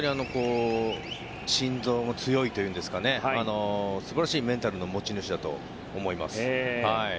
心臓も強いといいますか素晴らしいメンタルの持ち主だと思います。